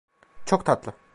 Çok tatlı.